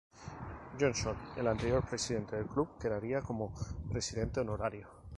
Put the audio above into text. Johnson, el anterior presidente del club, quedaría como Presidente Honorario.